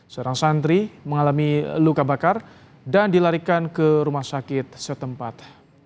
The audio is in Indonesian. seorang santri mengalami luka bakar dan dilarikan ke rumah sakit setempat